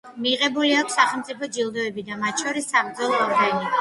მიღებული აქვს სახელმწიფო ჯილდოები, მათ შორის საბრძოლო ორდენი.